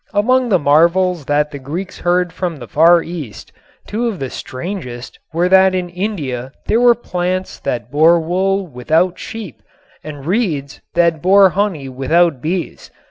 Among the marvels that the Greeks heard from the Far East two of the strangest were that in India there were plants that bore wool without sheep and reeds that bore honey without bees.